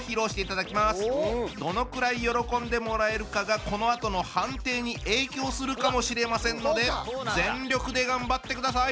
どのくらい喜んでもらえるかがこのあとの判定に影響するかもしれませんので全力で頑張ってください！